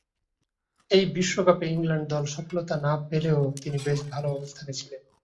ঐ বিশ্বকাপে ইংল্যান্ড দল সফলতা না পেলেও তিনি বেশ ভাল অবস্থানে ছিলেন।